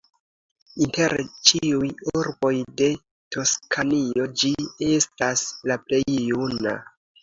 Inter ĉiuj urboj de Toskanio ĝi estas la plej juna.